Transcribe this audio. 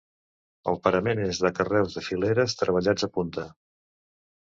El parament és de carreus en fileres, treballats a punta.